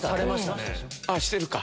してるか。